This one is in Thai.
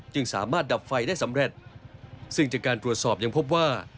สามารถดับไฟได้สำเร็จซึ่งจากการตรวจสอบยังพบว่า